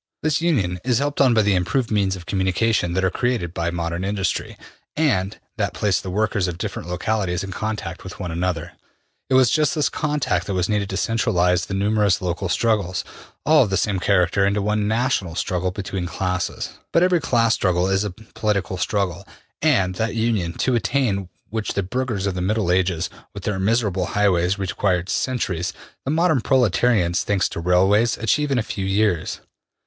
This union is helped on by the im proved means of communication that are created by modern industry, and that place the workers of different localities in contact with one another. It was just this contact that was needed to centralize the numerous local struggles, all of the same character, into one national struggle between classes. But every class struggle is a political struggle. And that union, to attain which the burghers of the Middle Ages, with their miserable highways, required centuries, the modern proletarians, thanks to railways, achieve in a few years.